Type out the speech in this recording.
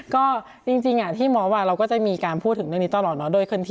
ก็จริงที่หมอวางเราก็จะมีการพูดถึงเรื่องนี้ตลอดเนาะ